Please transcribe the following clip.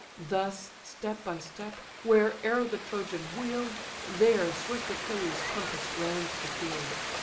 Thus step by step, where'er the Trojan wheel'd, There swift Achilles compass'd round the field.